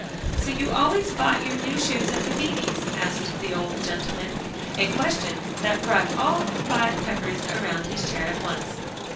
"So you always bought your new shoes of the Beebes?" asked the old gentleman, a question that brought all the five Peppers around his chair at once.